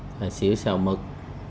rồi xỉu xào mực